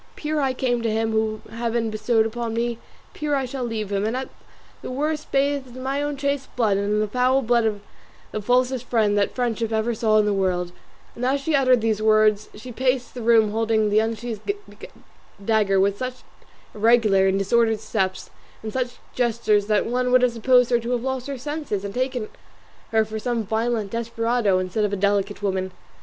Pure I came to him whom Heaven bestowed upon me, pure I shall leave him; and at the worst bathed in my own chaste blood and in the foul blood of the falsest friend that friendship ever saw in the world;" and as she uttered these words she paced the room holding the unsheathed dagger, with such irregular and disordered steps, and such gestures that one would have supposed her to have lost her senses, and taken her for some violent desperado instead of a delicate woman.